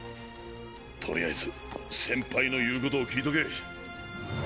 とりあえず先輩の言うことを聞いとけっ！